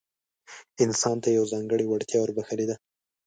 انسان ته يې يوه ځانګړې وړتيا وربښلې ده.